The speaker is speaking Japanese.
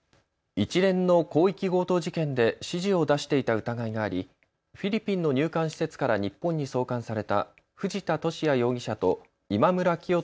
一連の広域強盗事件で指示を出していた疑いがありフィリピンの入管施設から日本に送還された藤田聖也容疑者と今村磨人